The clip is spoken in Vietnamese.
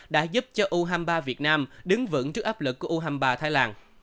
đã giúp cho u hai mươi ba việt nam đứng vững trước áp lực của u hai mươi ba thái lan